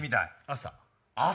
朝。